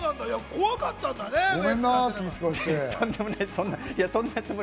怖かったんだね。